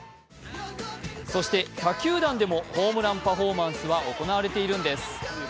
そして他球団でもホームランパフォーマンスは行われているんです。